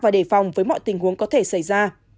và đề phòng với mọi tình huống có thể xảy ra